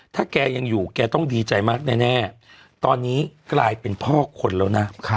ถ้าแกยังอยู่แกต้องดีใจมากแน่ตอนนี้กลายเป็นพ่อคนแล้วนะ